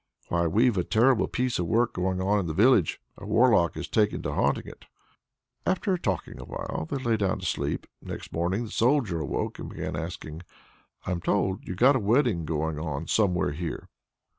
Why we've a terrible piece of work going on in the village. A Warlock has taken to haunting it!" After talking awhile, they lay down to sleep. Next morning the Soldier awoke, and began asking: "I'm told you've got a wedding going on somewhere here?"